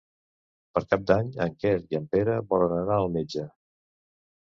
Per Cap d'Any en Quer i en Pere volen anar al metge.